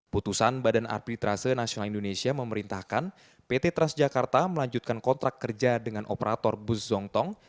putusan badan arbitrase nasional indonesia memerintahkan pt transjakarta melanjutkan kontrak kerja dengan operator bus zongtong